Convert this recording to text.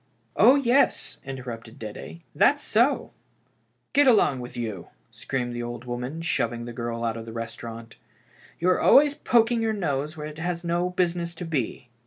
" Oh, yes !" interrupted Dede. " That's so I "" Get along with you," screamed the old woman, shov ing the girl out of the restaurant. "You are always poking your nose where it has no business to be."